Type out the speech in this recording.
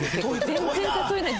全然誘えない。